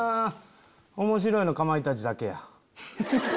面白いのかまいたちだけや。